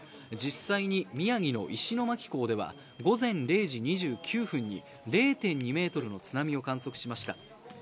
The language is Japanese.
実際に宮城の石巻港では午前０時２９分に０．２ｍの津波を観測しました。